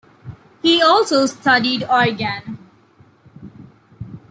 He also studied organ.